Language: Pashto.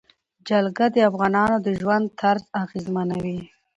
جلګه د افغانانو د ژوند طرز اغېزمنوي.